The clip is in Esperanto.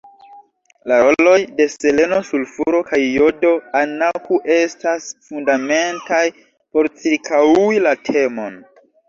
La roloj de seleno sulfuro kaj jodo anakŭ ests fundamentaj por cirkaŭi la temon.